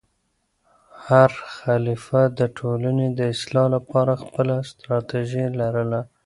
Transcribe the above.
هر خلیفه د ټولنې د اصلاح لپاره خپله ستراتیژي لرله.